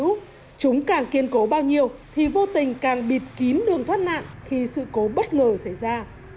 nếu chúng càng kiên cố bao nhiêu thì vô tình càng bịt kín đường thoát nạn khi sự cố bất ngờ xảy ra